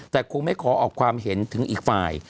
แต่คงไม่ขอออกความเห็นถึงอีกฝ่าย